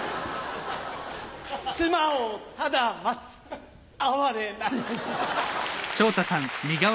妻をただ待つ哀れなり。